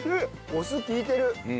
お酢利いてる。